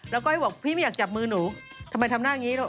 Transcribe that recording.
แล้วก็ให้บอกพี่ไม่อยากจับมือหนูทำไมทำหน้าอย่างนี้